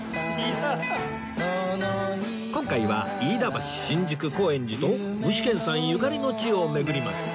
今回は飯田橋新宿高円寺と具志堅さんゆかりの地を巡ります